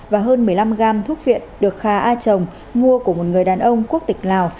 và hơn một mươi năm gram thuốc viện được khà a trồng mua của một người đàn ông quốc tịch lào